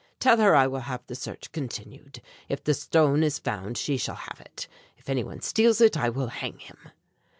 "Tell her I will have the search continued. If the stone is found she shall have it. If any one steals it I will hang him."